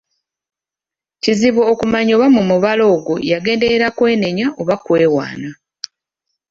Kizibu okumanya oba mu mubala ogwo yagenderera kwenenya oba kwewaana.